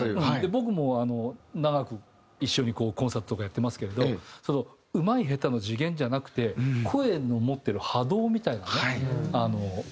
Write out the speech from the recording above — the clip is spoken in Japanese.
僕も長く一緒にコンサートとかやってますけれどうまい下手の次元じゃなくて声の持ってる波動みたいなねバイブレーションみたいな。